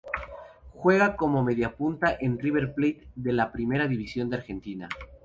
Juega como mediapunta en River Plate de la Primera Division de Argentina.